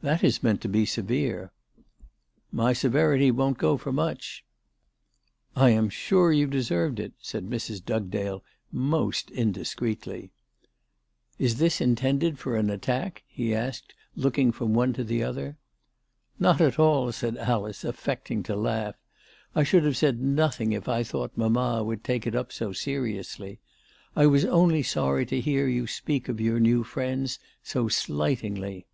" That is meant to be severe." " My severity won't go for much." ALICE DUGDALE. 389 "I am sure you have deserved it," said Mrs. Dug dale, most indiscreetly. " Is this intended for an attack ?" he asked, looking from one to the other. " Not at all," said Alice, affecting to laugh. " I should have said nothing if I thought mamma would take it up so seriously. I was only sorry to hear you speak of your new friends so slightingly."